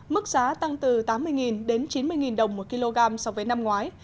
mức giá tăng từ tám mươi đến chín mươi đồng một kg so với năm ngoái